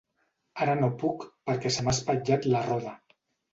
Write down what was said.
Ara no puc perquè se m'ha espatllat la roda.